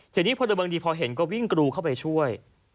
ทีนี้พลเมืองดีพอเห็นก็วิ่งกรูเข้าไปช่วย